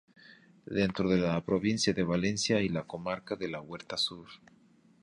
Dentro de la provincia de Valencia y a la comarca de la Huerta Sur.